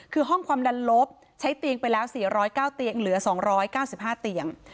คือห้องความดันลบใช้เตียงไปแล้ว๔๐๙เตียงเหลือ๒๙๕เตียง